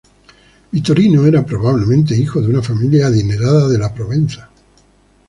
Victorino era probablemente hijo de una familia adinerada de la Provenza.